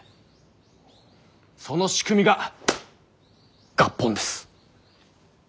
その仕組みが合本です。